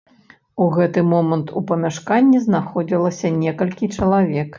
У гэты момант у памяшканні знаходзілася некалькі чалавек.